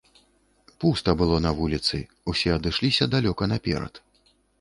Пуста было на вуліцы, усе адышліся далёка наперад.